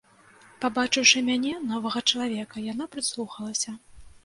Пабачыўшы мяне, новага чалавека, яна прыслухалася.